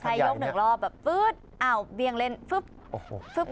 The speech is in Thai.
ใช่โยกหนึ่งรอบแบบปื๊ดเอ้าเบียงเล่นปุ๊บ